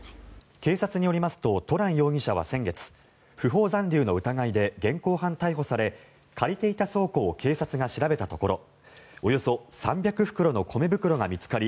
警察によりますとトラン容疑者は先月不法残留の疑いで現行犯逮捕され借りていた倉庫を警察が調べたところおよそ３００袋の米袋が見つかり